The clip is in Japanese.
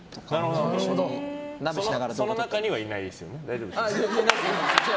その中にはいないですよね？